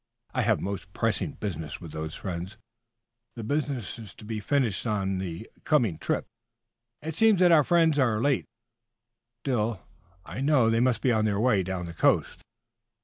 I have most pressing business with those friends. The business is to be finished on the coming trip. It seems that our friends are late; still, I know they must be on their way down the coast."